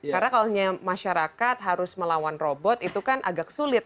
karena kalau hanya masyarakat harus melawan robot itu kan agak sulit